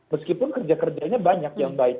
meskipun kerja kerjanya banyak yang baik